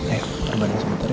ayo berbaring sebentar ya